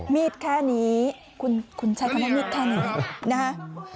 มีดแค่นี้คุณใช้คำว่ามีดแค่นี้นะฮะ